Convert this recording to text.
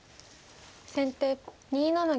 先手２七玉。